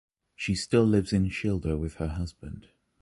She still lives in Schilda with her husband.